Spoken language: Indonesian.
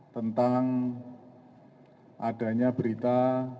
tentang adanya berita